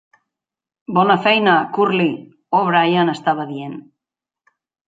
Bona feina, Curly, O'Brien estava dient.